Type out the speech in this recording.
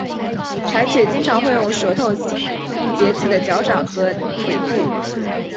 柴犬经常会用舌头清洁自己的脚掌和腿部。